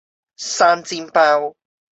生煎包